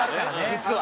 実は。